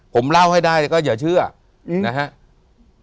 ผมเล่าให้ได้ก็อย่าเชื่อนะฮะ